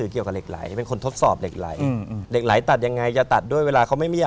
๑๒๓๔เข้าง่ายเลย